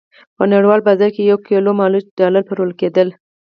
په نړیوال بازار کې یو کیلو مالوچ ډالر پلورل کېدل.